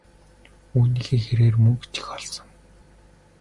Үүнийхээ хэрээр мөнгө ч их олсон.